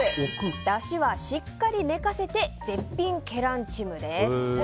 だしはしっかり寝かせて絶品ケランチムです。